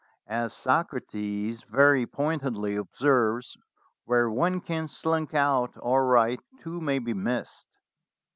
As Socrates very pointedly observes, where one can slink out all right two may be missed."